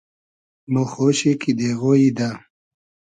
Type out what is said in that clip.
مۉ خۉشی کی دېغۉیی دۂ